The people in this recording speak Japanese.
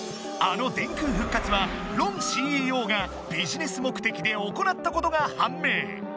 あの電空復活はロンＣＥＯがビジネス目的で行ったことが判明。